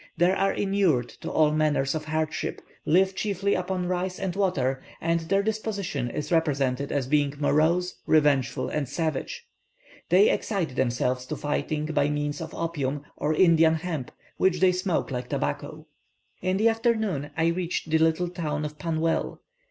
They are inured to all manner of hardships, live chiefly upon rice and water, and their disposition is represented as being morose, revengeful, and savage. They excite themselves to fighting by means of opium, or Indian hemp, which they smoke like tobacco. In the afternoon, I reached the little town of Pannwell.